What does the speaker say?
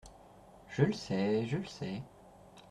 Je le sais… je le sais.